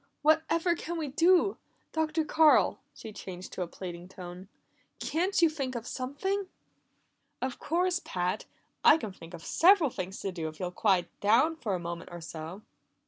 What ever can we do? Dr. Carl," she changed to a pleading tone, "can't you think of something?" "Of course, Pat! I can think of several things to do if you'll quiet down for a moment or so."